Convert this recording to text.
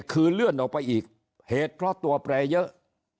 คือเลื่อนออกไปอีกเหตุเพราะตัวแปรเยอะ